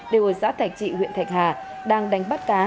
đều ở xã thạch trị huyện thạch hà đang đánh bắt cá